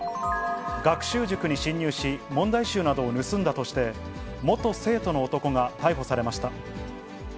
学習塾に侵入し、問題集などを盗んだとして、元生徒の男が逮捕されました。